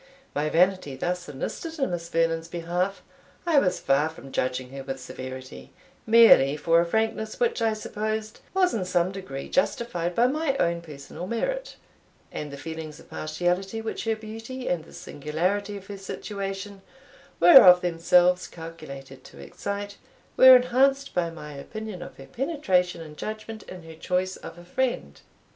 My vanity thus enlisted in Miss Vernon's behalf, I was far from judging her with severity, merely for a frankness which I supposed was in some degree justified by my own personal merit; and the feelings of partiality, which her beauty, and the singularity of her situation, were of themselves calculated to excite, were enhanced by my opinion of her penetration and judgment in her choice of a friend.